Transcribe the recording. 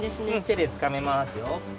てでつかめますよ。